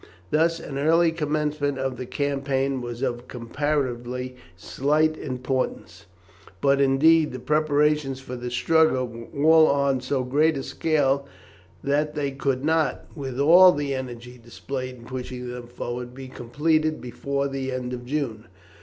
Thus an early commencement of the campaign was of comparatively slight importance; but, indeed, the preparations for the struggle were all on so great a scale that they could not, with all the energy displayed in pushing them forward, be completed before the end of June.